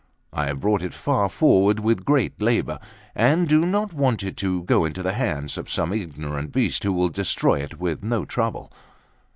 I have brought it far forward with great labour, and do not want it to go into the hands of some ignorant beast who will destroy it with no trouble."